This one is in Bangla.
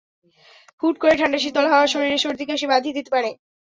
হুট করে ঠান্ডা শীতল হাওয়া শরীরে সর্দি কাশি বাঁধিয়ে দিতে পারে।